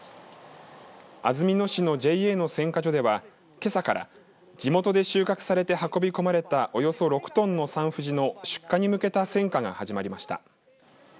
安曇野市のＪＡの選果所ではけさから地元で収穫されて運び込まれたおよそ６トンのサンふじの出荷に向けた選果が始まりました。